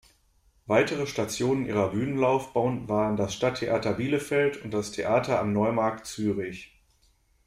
Weitere Stationen ihrer Bühnenlaufbahn waren das Stadttheater Bielefeld und das Theater am Neumarkt Zürich.